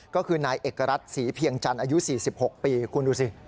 ก็คือนายเอกรัฐศรีเพียงจันทร์อายุ๔๖ปีคุณดูสิ